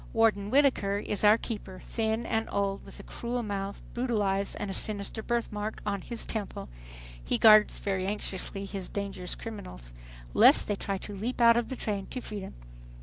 Warden Whittaker is our keeper, thin and old, with a cruel mouth, brutal eyes and a sinister birthmark on his temple. He guards very anxiously his "dangerous criminals" lest they try to leap out of the train to freedom!